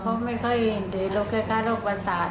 เขาไม่เคยเห็นด้วยละแค่แค่โรคประสาท